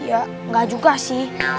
ya gak juga sih